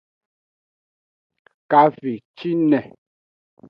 Kavecine.